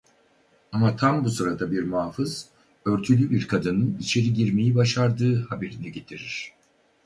Ama tam bu sırada bir muhafız örtülü bir kadının içeri girmeyi başardığı haberini getirir.